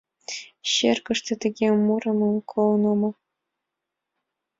Черкыште тыге мурымым колын омыл...